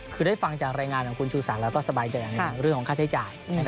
คือได้ฟังจากรายงานของคุณชูศักดิ์แล้วก็สบายใจในเรื่องของค่าใช้จ่าย